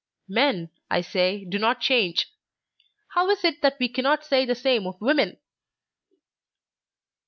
Men, I say, do not change. How is it that we cannot say the same of women?"